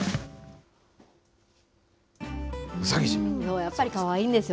やっぱりかわいいんですよ。